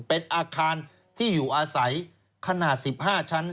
เป็นอาคารที่อยู่อาศัยขนาด๑๕ชั้น